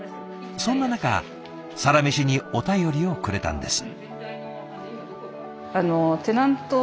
そんな中「サラメシ」にお便りをくれたんです。